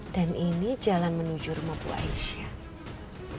dan ini jalan menuju rumah bu aisyah